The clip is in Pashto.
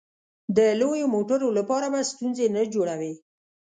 د لویو موټرو لپاره به ستونزې نه جوړوې.